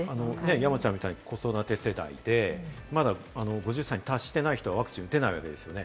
山ちゃんみたいに子育て世代でまだ５０歳に達していない人はワクチンを打てないわけですよね。